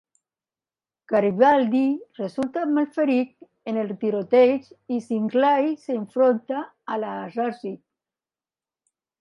Garibaldi resulta malferit en el tiroteig i Sinclair s'enfronta a l'assassí.